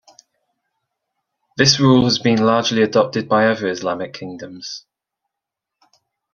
This rule has also been largely adopted by other Islamic kingdoms.